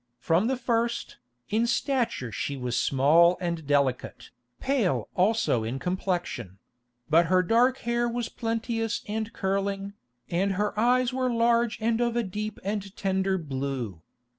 From the first, in stature she was small and delicate, pale also in complexion; but her dark hair was plenteous and curling, and her eyes were large and of a deep and tender blue.